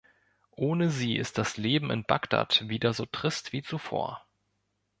Ohne sie ist das Leben in Bagdad wieder so trist wie zuvor.